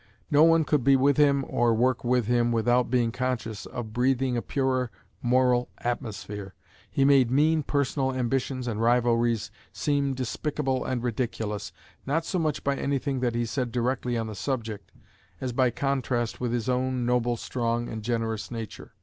No one could be with him or work with him without being conscious of breathing a purer moral atmosphere: he made mean personal ambitions and rivalries seem despicable and ridiculous, not so much by any thing that he said directly on the subject, as by contrast with his own noble, strong, and generous nature.